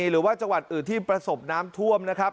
หรือว่าจังหวัดอื่นที่ประสบน้ำท่วมนะครับ